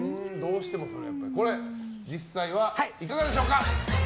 これ、実際はいかがでしょうか。